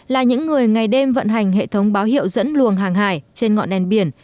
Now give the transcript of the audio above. là những người ngày đêm vận hành hệ thống báo hiệu dẫn luồng hàng hải trên ngọn đèn biển